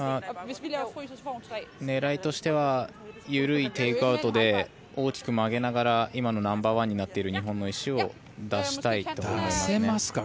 狙いとしては緩いテイクアウトで大きく曲げながら今のナンバーワンになっている日本の石を出したいと思います。